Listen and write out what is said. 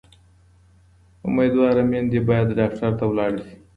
امیندواره میندې باید ډاکټر ته لاړې شي.